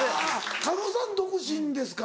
狩野さん独身ですか？